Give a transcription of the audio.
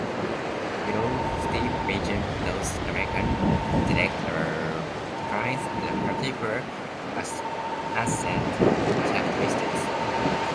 Below, twelve major North American dialects are defined by particular accent characteristics.